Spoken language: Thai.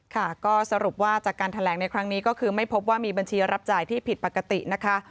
ค่ะก็สรุปว่าจากการแถลงในครั้งนี้ก็คือไม่พบว่ามีบัญชีรับจ่ายที่ผิดปกตินะคะ